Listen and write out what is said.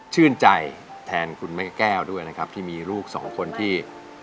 ชื่นใจแทนคุณแม่แก้วด้วยนะครับที่มีลูกสองคนที่